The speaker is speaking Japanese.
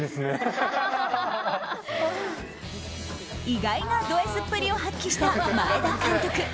意外なドＳっぷりを発揮した前田監督。